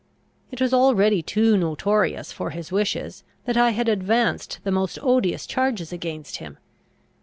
It was already too notorious for his wishes, that I had advanced the most odious charges against him.